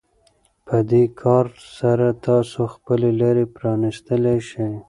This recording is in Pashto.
په دې کار سره تاسو خپلې لارې پرانيستلی شئ.